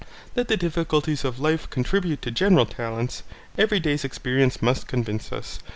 That the difficulties of life contribute to generate talents, every day's experience must convince us.